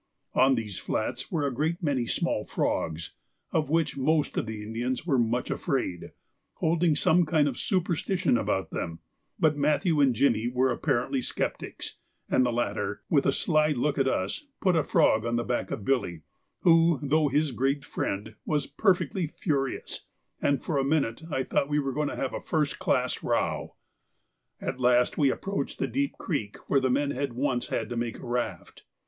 On these flats were a great many small frogs, of which most of the Indians were much afraid, holding some kind of superstition about them; but Matthew and Jimmy were apparently sceptics, and the latter, with a sly look at us, put a frog on the back of Billy, who, though his great friend, was perfectly furious, and for a minute I thought we were going to have a first class row. At last we approached the deep creek where the men had once had to make a raft.